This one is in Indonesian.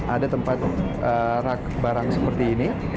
ada tempat rak barang seperti ini